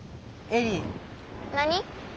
何？